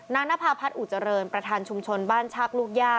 นภาพัฒนอุเจริญประธานชุมชนบ้านชากลูกย่า